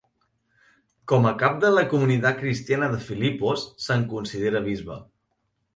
Com a cap de la comunitat cristiana de Filipos, se'n considera bisbe.